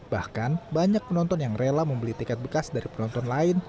bahkan banyak penonton yang rela membeli tiket bekas dari penonton lain